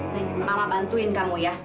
nih mama bantuin kamu ya